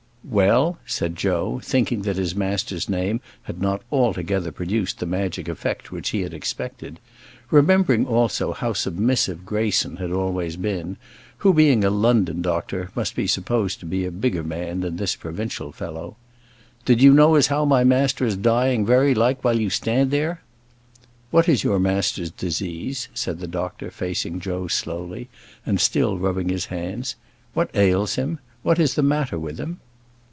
"Well!" said Joe, thinking that his master's name had not altogether produced the magic effect which he had expected; remembering, also, how submissive Greyson had always been, who, being a London doctor, must be supposed to be a bigger man than this provincial fellow. "Do you know as how my master is dying, very like, while you stand there?" "What is your master's disease?" said the doctor, facing Joe, slowly, and still rubbing his hands. "What ails him? What is the matter with him?"